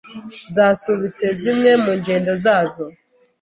zasubitse zimwe mu ngendo zazo